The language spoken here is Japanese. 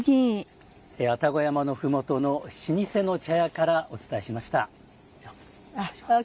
愛宕山のふもとの老舗の茶屋からおおきに。